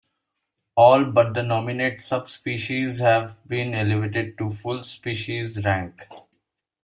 All but the nominate subspecies have been elevated to full species rank.